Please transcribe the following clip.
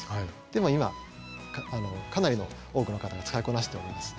でも今かなりの多くの方が使いこなしております。